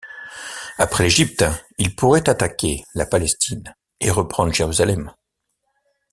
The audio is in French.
Après l'Égypte ils pourraient attaquer la Palestine et reprendre Jérusalem.